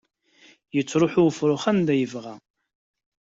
Yettruḥu ufrux anda yebɣa.